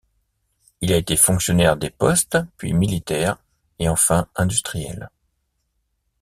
Il a été fonctionnaire des postes, puis militaire, et enfin industriel.